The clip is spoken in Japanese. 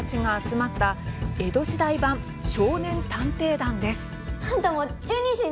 まさに、江戸時代版「少年探偵団」です。